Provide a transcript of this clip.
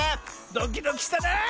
ドキドキしたなあ！